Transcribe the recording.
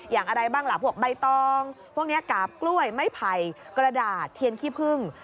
อะไรบ้างล่ะพวกใบตองพวกนี้กาบกล้วยไม้ไผ่กระดาษเทียนขี้พึ่ง